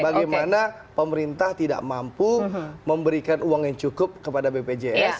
bagaimana pemerintah tidak mampu memberikan uang yang cukup kepada bpjs